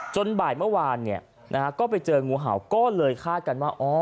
บ่ายเมื่อวานก็ไปเจองูเห่าก็เลยคาดกันว่า